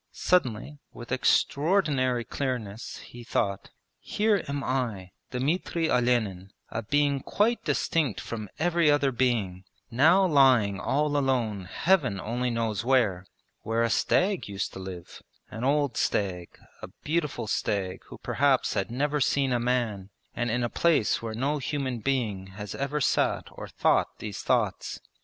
Suddenly, with extraordinary clearness, he thought: 'Here am I, Dmitri Olenin, a being quite distinct from every other being, now lying all alone Heaven only knows where where a stag used to live an old stag, a beautiful stag who perhaps had never seen a man, and in a place where no human being has ever sat or thought these thoughts.